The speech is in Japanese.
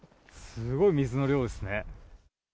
すごい水の量ですね。